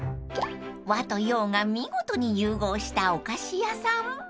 ［和と洋が見事に融合したお菓子屋さん］